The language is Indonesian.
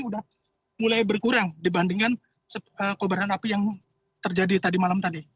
sudah mulai berkurang dibandingkan kobaran api yang terjadi tadi malam tadi